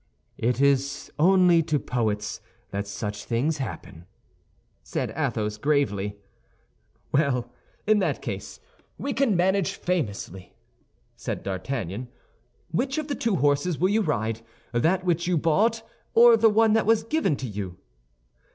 "It is only to poets that such things happen," said Athos, gravely. "Well, in that case, we can manage famously," said D'Artagnan; "which of the two horses will you ride—that which you bought or the one that was given to you?"